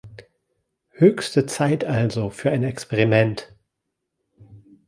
Höchste Zeit also für ein Experiment!